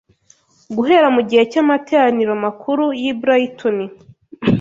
Guhera mu gihe cy’amateraniro makuru y’i Brayitoni